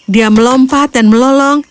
dia melompat dan melolong